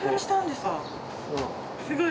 すごい！